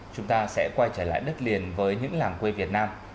chúng ta sẽ quay trở lại đất liền với những làng quê việt nam